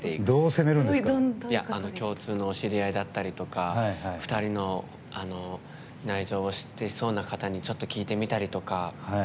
共通の知り合いだったりとか２人の内情を知ってそうな方にちょっと聞いてみたりとか。